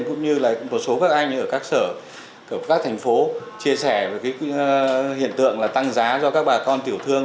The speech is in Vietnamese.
cũng như là một số các anh ở các sở các thành phố chia sẻ về hiện tượng là tăng giá do các bà con tiểu thương